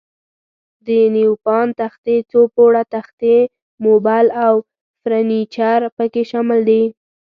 د نیوپان تختې، څو پوړه تختې، موبل او فرنیچر پکې شامل دي.